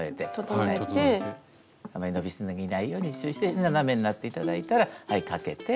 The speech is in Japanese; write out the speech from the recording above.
あまりのびすぎないように１周して斜めになって頂いたらはいかけて。